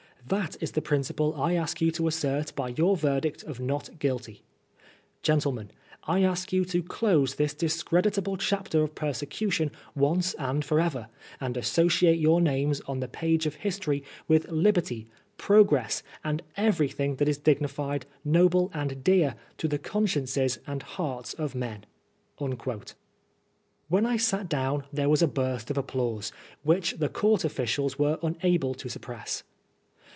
That is the principle I ask you to assert by your verdict of Not Guilty. Gentiemen, I ask you to close this discreditable chapter of persecution once and for ever, and associate your names on the page of history with liberty, progress, and everything that is dignified, noble and dear to the consciences and hearts of men " When I sat down there was a burst of applause, which the court officials were unable to suppress.